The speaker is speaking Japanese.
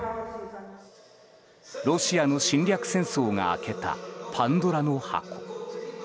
ロシアの侵略戦争が開けたパンドラの箱。